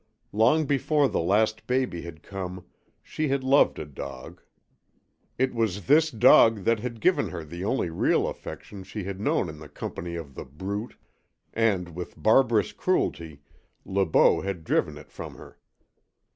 Long before the last baby had come she had loved a dog. It was this dog that had given her the only real affection she had known in the company of The Brute, and with barbarous cruelty Le Beau had driven it from her.